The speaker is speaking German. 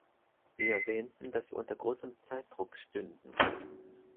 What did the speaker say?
Sie erwähnten, dass wir unter großem Zeitdruck stünden.